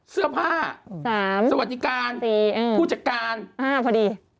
เสื้อผ้าสวัสดิการผู้จัดการพอดี